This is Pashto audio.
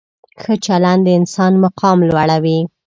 ښه چلند د انسان مقام لوړوي.